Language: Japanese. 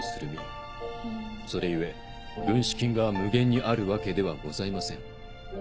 それ故軍資金が無限にあるわけではございません。